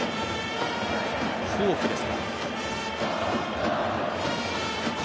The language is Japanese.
フォークですか？